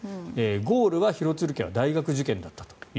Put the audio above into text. ゴールは廣津留家は大学受験だったと。